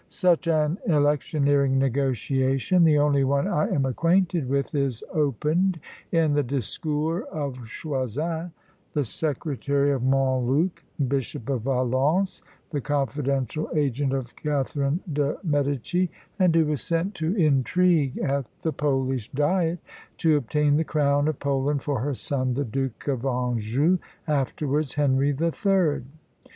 Such an electioneering negotiation, the only one I am acquainted with, is opened in the "Discours" of Choisin, the secretary of Montluc, Bishop of Valence, the confidential agent of Catharine de' Medici, and who was sent to intrigue at the Polish diet, to obtain the crown of Poland for her son the Duke of Anjou, afterwards Henry the Third.